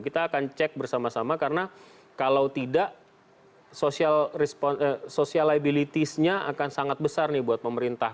kita akan cek bersama sama karena kalau tidak social liabilitiesnya akan sangat besar nih buat pemerintah